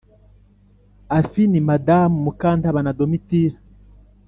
Afi ni madamu mukantabana domitilla